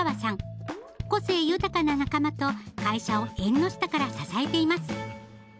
個性豊かな仲間と会社を縁の下から支えています。